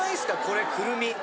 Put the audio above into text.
これくるみ。